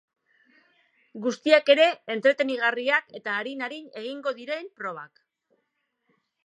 Guztiak ere entretenigarriak eta arin-arin egingo diren probak.